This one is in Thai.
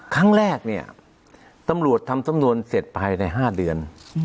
ครั้งแรกตำรวจทำสำนวนเสร็จไปใน๕เดือน